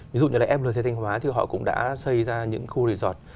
ví dụ như là flc thanh hóa thì họ cũng đã xây ra những khu resort